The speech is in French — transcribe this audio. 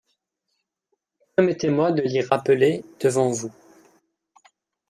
Permettez-moi de l'y rappeler devant vous.